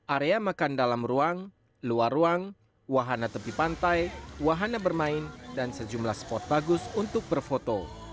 area makan dalam ruang luar ruang wahana tepi pantai wahana bermain dan sejumlah spot bagus untuk berfoto